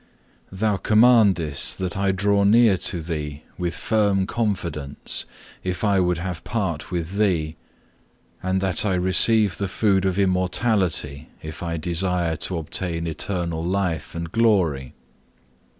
2. Thou commandest that I draw near to Thee with firm confidence, if I would have part with Thee, and that I receive the food of immortality, if I desire to obtain eternal life and glory.